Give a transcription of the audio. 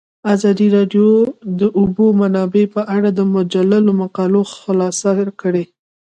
ازادي راډیو د د اوبو منابع په اړه د مجلو مقالو خلاصه کړې.